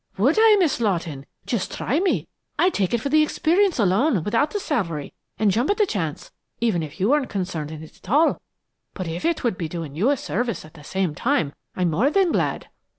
"Would I, Miss Lawton? Just try me! I'd take it for the experience alone, without the salary, and jump at the chance, even if you weren't concerned in it at all, but if it would be doing you a service at the same time, I'm more than glad."